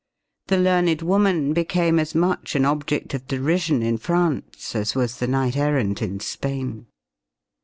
The learned woman became as much an object of derision in France as was the knight errant in Spain.